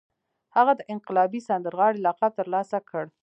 هغه د انقلابي سندرغاړي لقب ترلاسه کړ